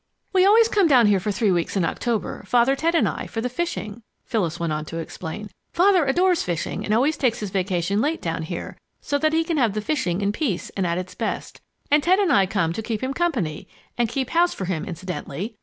"We always come down here for three weeks in October, Father and Ted and I, for the fishing," Phyllis went on to explain. "Father adores fishing and always takes his vacation late down here, so that he can have the fishing in peace and at its best. And Ted and I come to keep him company and keep house for him, incidentally.